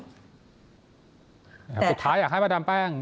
สุดท้ายอยากให้ประดับแป้ง